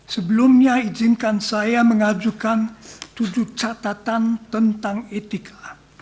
sebelumnya izinkan saya mengajukan tujuh catatan tentang etika